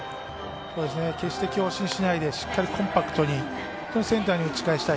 決して強振しないでしっかりとコンパクトにセンターに打ち返したい。